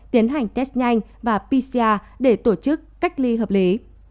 tiến hành test nhanh và pcr để tổ chức cách ly hợp lý